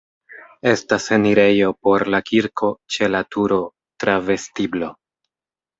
Estas enirejo por la kirko ĉe la turo tra vestiblo.